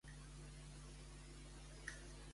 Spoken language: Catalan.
Què vol dir el nom de Xipe-Totec?